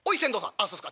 「あっそうっすか。